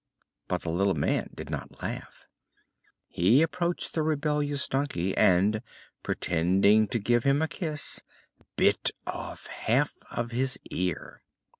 But the little man did not laugh. He approached the rebellious donkey and, pretending to give him a kiss, bit off half of his ear.